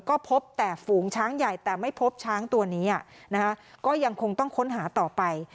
ก็พบแต่ฝูงช้างใหญ่แต่ไม่พบช้างตัวนี้ก็ยังคงต้องค้นหาต่อไป